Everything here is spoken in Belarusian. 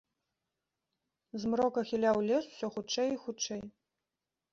Змрок ахіляў лес усё хутчэй і хутчэй.